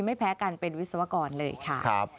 ไม่แพ้กันเป็นวิศวกรเลยค่ะ